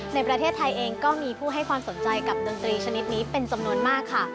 ในประเทศไทยเองก็มีผู้ให้ความสนใจกับดนตรีชนิดนี้เป็นจำนวนมากค่ะ